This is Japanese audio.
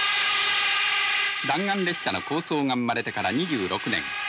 弾丸列車の構想が生まれてから２６年。